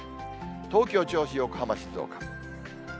東京、銚子、横浜、静岡。